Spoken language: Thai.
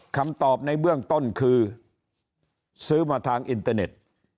คำตอบในเบื้องต้นคือซื้อมาทางอินเตอร์เน็ต